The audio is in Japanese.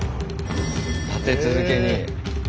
立て続けに。